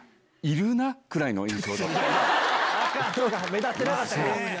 目立ってなかったか。